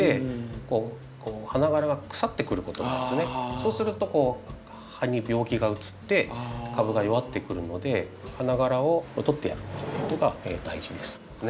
そうすると葉に病気がうつって株が弱ってくるので花がらを取ってやるということが大事ですね。